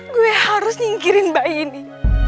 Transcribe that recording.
gue harus nyingkirin bayi ini